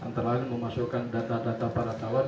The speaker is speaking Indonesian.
dan memasukkan data data para tawar